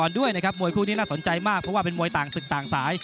ด้วยนะครับมวยคู่นี้น่าสนใจมากเพราะว่าเป็นมวยต่างศึกต่างสาย